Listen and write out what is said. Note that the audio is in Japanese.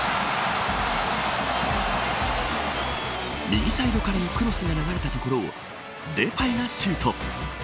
右サイドからのクロスが流れたところをデパイがシュート。